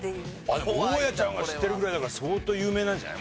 大家ちゃんが知ってるぐらいだから相当有名なんじゃない？